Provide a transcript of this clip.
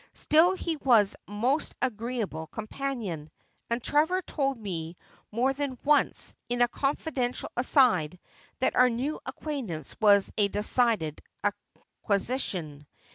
Still he was a most agreeable companion ; and Trevor told me more than once, in a confidential aside, that our new acquaintance was a decided acquisition.